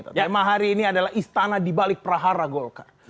tema hari ini adalah istana dibalik prahara golkar